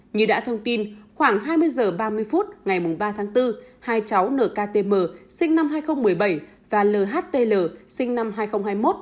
như đã thông tin khoảng hai mươi h ba mươi phút ngày ba tháng bốn hai cháu nktm sinh năm hai nghìn một mươi bảy và lhtl sinh năm hai nghìn hai mươi một